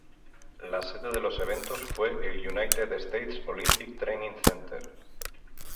La sede de los eventos fue el United States Olympic Training Center.